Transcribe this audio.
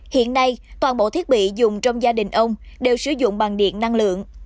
hiện nay toàn bộ thiết bị dùng trong gia đình ông đều sử dụng bằng điện năng lượng